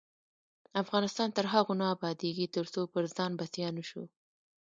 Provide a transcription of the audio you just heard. افغانستان تر هغو نه ابادیږي، ترڅو پر ځان بسیا نشو.